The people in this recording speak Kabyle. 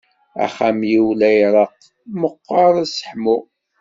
Axxam-iw la iṛeqq, meqqaṛ ad sseḥmuɣ.